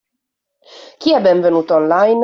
Chi è benvenuto “online”?